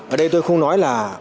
ở đây tôi không nói là